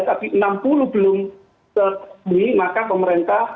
tapi enam puluh belum terpenuhi